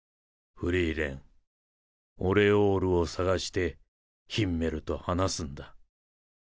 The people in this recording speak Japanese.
フリーレン魂の眠る地を探してヒンメルと話すんだ。